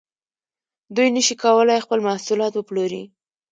دوی نشي کولای خپل محصولات وپلوري